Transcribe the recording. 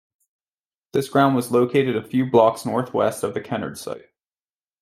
This ground was located a few blocks northwest of the Kennard site.